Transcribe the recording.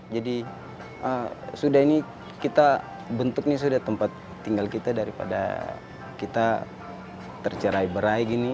sudah ini kita bentuknya sudah tempat tinggal kita daripada kita tercerai berai gini